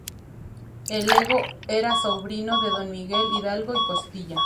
El Lego era sobrino de Don Miguel Hidalgo y Costilla.